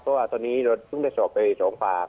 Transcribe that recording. เพราะว่าตอนนี้เราต้องได้สอบไปอีก๒ฟาค